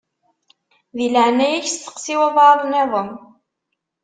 Di leɛnaya-k steqsi walebɛaḍ-nniḍen.